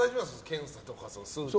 検査とか数値は。